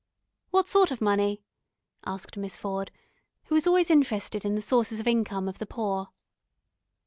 "What sort of money?" asked Miss Ford, who was always interested in the sources of income of the Poor.